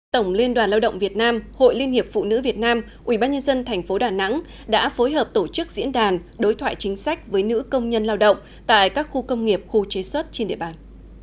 tổng liên đoàn lao động việt nam hội liên hiệp phụ nữ việt nam ubnd tp đà nẵng đã phối hợp tổ chức diễn đàn đối thoại chính sách với nữ công nhân lao động tại các khu công nghiệp khu chế xuất trên địa bàn